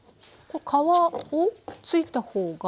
皮をついたほうが？